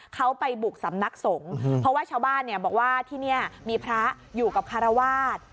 เขาไปบุกสำนักสงฆ์เพราะว่าชาวบ้านเนี่ยบอกว่าที่นี่มีพระอยู่กับคารวาส